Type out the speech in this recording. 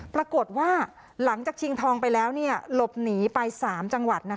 ปรากฏว่าหลังจากชิงทองไปแล้วหลบหนีไป๓จังหวัด